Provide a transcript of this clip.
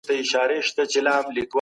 ستا په نامه كي چي